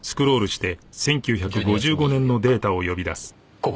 ここ。